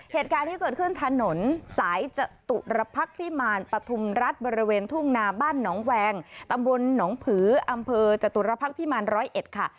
เหตุการณ์ที่เกิดขึ้นถนนสายจตุรพักษ์พิมารปฐุมรัฐบริเวณทุ่งนาบ้านหนองแวงตำบลหนองผืออำเภอจตุรพักษ์พิมารร้อยเอ็ดค่ะ